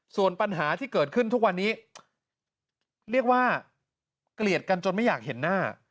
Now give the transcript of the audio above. ส่วนปัญหาที่เกิดขึ้นทุกวันนี้เรียกว่าเกลียดกันจนไม่อยากเห็นหน้า